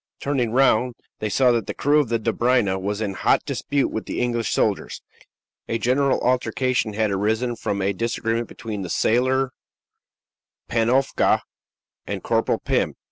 Turning round, they saw that the crew of the Dobryna was in hot dispute with the English soldiers. A general altercation had arisen from a disagreement between the sailor Panofka and Corporal Pim.